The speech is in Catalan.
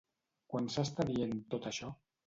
Quan s'està dient, tot això?